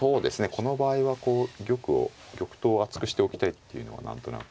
この場合はこう玉を玉頭を厚くしておきたいっていうのは何となく。